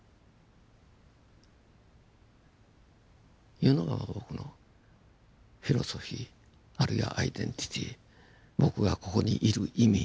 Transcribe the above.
いうのが僕のフィロソフィーあるいはアイデンティティー僕がここにいる意味